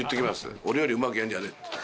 俺よりうまくやるんじゃねぇって。